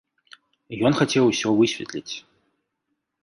Ён хацеў усё высветліць.